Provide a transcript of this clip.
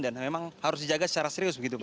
dan memang harus dijaga secara serius begitu pak